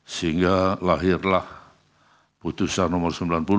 sehingga lahirlah putusan nomor sembilan puluh